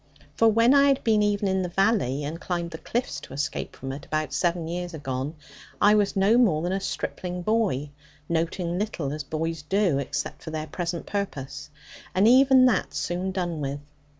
For when I had been even in the valley, and climbed the cliffs to escape from it, about seven years agone, I was no more than a stripling boy, noting little, as boys do, except for their present purpose, and even that soon done with.